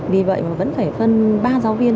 vì vậy vẫn phải phân ba giáo viên